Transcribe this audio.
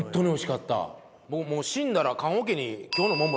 もう死んだら。